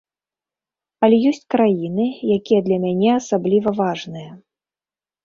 Але ёсць краіны, якія для мяне асабліва важныя.